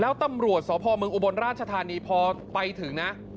แล้วตำรวจสพเมืองอุบลราชธานีพอไปถึงนะ